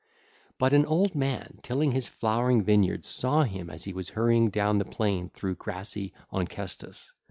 (ll. 87 89) But an old man tilling his flowering vineyard saw him as he was hurrying down the plain through grassy Onchestus.